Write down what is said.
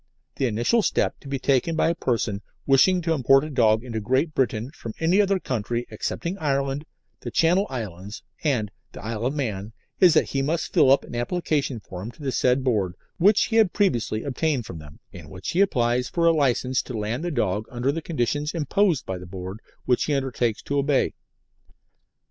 The initial step to be taken by a person wishing to import any dog into Great Britain from any other country excepting Ireland, the Channel Islands, and the Isle of Man, is that he must fill up an application form to the said Board, which he has previously obtained from them, in which he applies for a licence to land the dog under the conditions imposed by the Board, which he undertakes to obey.